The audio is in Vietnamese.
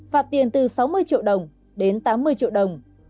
phạt tiền từ sáu mươi triệu đồng đến tám mươi triệu đồng